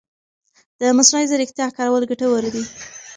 د مصنوعي ځېرکتیا کارول ګټور دي.